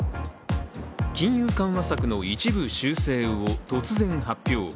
金融緩和策の一部修正を突然発表。